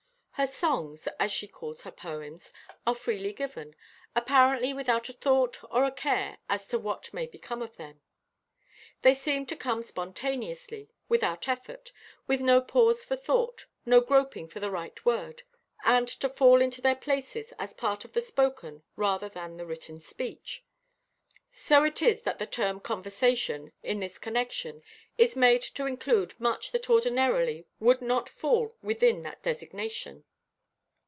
Her songs, as she calls her poems, are freely given, apparently without a thought or a care as to what may become of them. They seem to come spontaneously, without effort, with no pause for thought, no groping for the right word, and to fall into their places as part of the spoken rather than the written speech. So it is that the term "conversation" in this connection is made to include much that ordinarily would not fall within that designation.